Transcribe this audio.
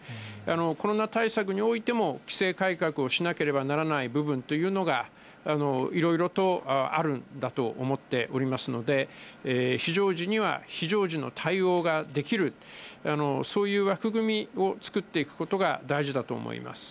コロナ対策においても、規制改革をしなければならない部分というのが、いろいろとあるんだと思っておりますので、非常時には非常時の対応ができる、そういう枠組みを作っていくことが大事だと思います。